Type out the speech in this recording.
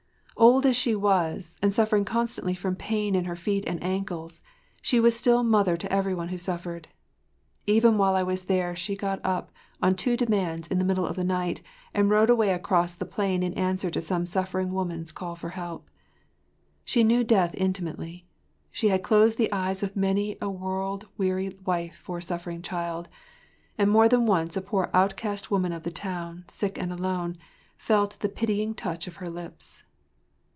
Old as she was, and suffering constantly from pain in her feet and ankles, she was still mother to every one who suffered. Even while I was there she got up on two demands in the middle of the night and rode away across the plain in answer to some suffering woman’s call for help. She knew death intimately. She had closed the eyes of many a world weary wife or suffering child, and more than once a poor outcast woman of the town, sick and alone, felt the pitying touch of her lips.